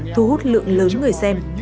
thu hút lượng lớn người xem